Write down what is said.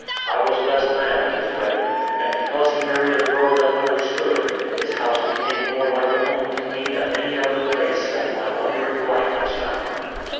I was best man at his wedding; and because he married a girl that understood, his house became more like a home to me than any other place that my wandering life has found.